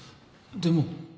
でも